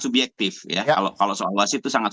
subjektif ya kalau soal wasit itu sangat